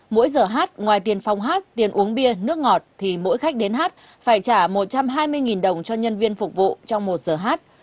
mỗi giờ hát ngoài tiền phong hát tiền uống bia nước ngọt thì mỗi khách đến hát phải trả một trăm hai mươi đồng cho nhân viên phục vụ trong một giờ hát